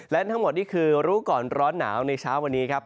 และทั้งหมดนี่คือรู้ก่อนร้อนหนาวในเช้าวันนี้ครับ